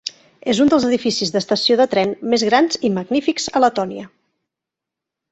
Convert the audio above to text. És un dels edificis d'estació de tren més grans i magnífics a Letònia.